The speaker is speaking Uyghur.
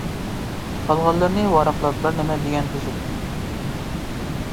قالغانلىرىنى ۋاراقلاپ بىر نېمە دېگەن تۈزۈك.